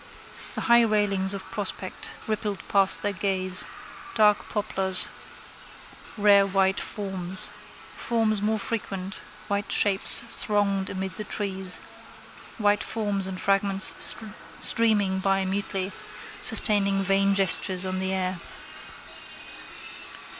The high railings of Prospect rippled past their gaze. Dark poplars, rare white forms. Forms more frequent, white shapes thronged amid the trees, white forms and fragments streaming by mutely, sustaining vain gestures on the air.